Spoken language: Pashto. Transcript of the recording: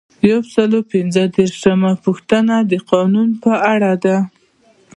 یو سل او پنځه دیرشمه پوښتنه د قانون په اړه ده.